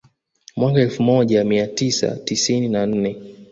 Mwaka elfu moja mia tisa tisini na nne